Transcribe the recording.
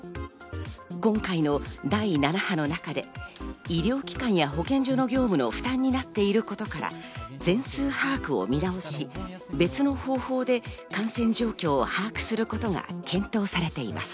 今回の第７波の中で医療機関や保健所の業務の負担になっていることから、全数把握を見直し、別の方法で感染状況を把握することが検討されています。